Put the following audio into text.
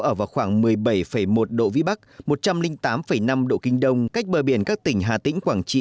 ở vào khoảng một mươi bảy một độ vĩ bắc một trăm linh tám năm độ kinh đông cách bờ biển các tỉnh hà tĩnh quảng trị